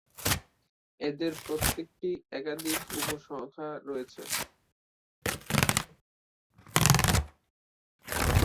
এদের প্রত্যেকটির একাধিক উপশাখা রয়েছে।